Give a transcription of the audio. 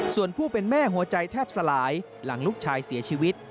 ส่วนผู้เป็นแม่หัวใจแทบสลายหลังลูกชายเสียชีวิต